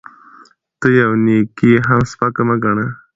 ته يوه نيکي هم سپکه مه ګڼه